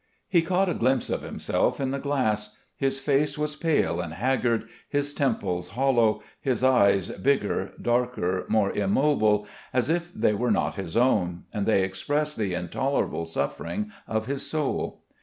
He caught a glimpse of himself in the glass. His face was pale and haggard, his temples hollow, his eyes bigger, darker, more immobile, as if they were not his own, and they expressed the intolerable suffering of his soul.